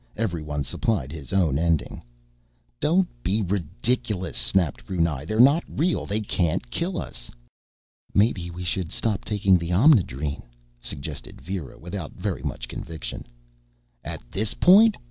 Everyone supplied his own ending. "Don't be ridiculous!" snapped Brunei. "They're not real. They can't kill us!" "Maybe we should stop taking the Omnidrene?" suggested Vera, without very much conviction. "At this point?"